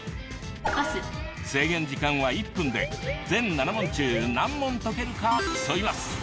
制限時間は１分で全７問中何問解けるか競います。